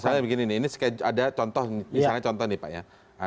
misalnya begini nih ini ada contoh nih pak ya